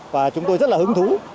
và chúng tôi rất là hứng thú